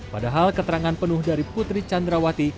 padahal keterangan penuh dari putri candrawati